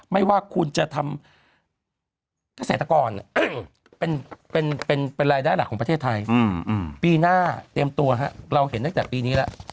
ไม่ว่าคุณจะทำเกษตรกรเป็นรายได้หลักของประเทศไทยปีหน้าเตรียมตัวเราเห็นตั้งแต่ปีนี้แล้ว